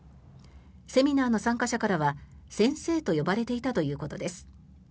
セミナーの参加者からは先生と呼ばれていたということです。